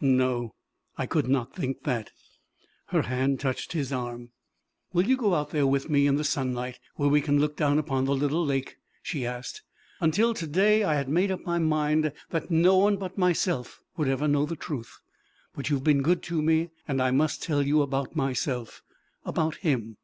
"No, could not think that." Her hand touched his arm. "Will you go out there with me, in the sunlight, where we can look down upon the little lake?" she asked. "Until to day I had made up my mind that no one but myself would ever know the truth. But you have been good to me, and I must tell you about myself about him."